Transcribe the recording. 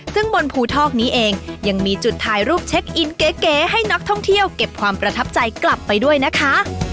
ซึ่งบนภูทอกนี้เองยังมีจุดถ่ายรูปเช็คอินเก๋ให้นักท่องเที่ยวเก็บความประทับใจกลับไปด้วยนะคะ